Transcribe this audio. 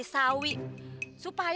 cool saja ini yang seperti